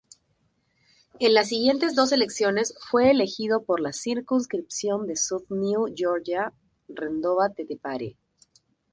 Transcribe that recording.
En las siguientes dos elecciones fue elegido por la circunscripción de South New Georgia-Rendova-Tetepare.